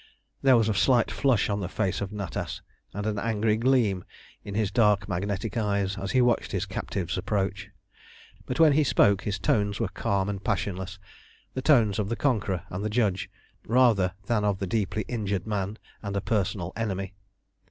There was a slight flush on the face of Natas, and an angry gleam in his dark magnetic eyes, as he watched his captives approach; but when he spoke his tones were calm and passionless, the tones of the conqueror and the judge, rather than of the deeply injured man and a personal enemy.